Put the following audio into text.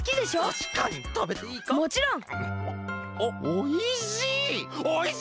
おおいしい！